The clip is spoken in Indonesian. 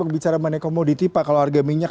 bicara mengenai komoditi pak kalau harga minyak